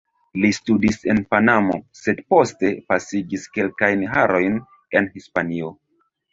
Li studis en Panamo, sed poste pasigis kelkajn jarojn en Hispanio.